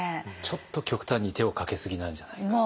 ちょっと極端に手をかけすぎなんじゃないか。